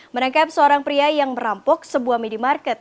menangkap seorang pria yang merampok sebuah minimarket